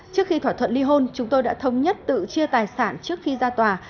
trước khi thỏa thuận ly hôn chúng tôi đã thống nhất tự chia tài sản trước khi ra tòa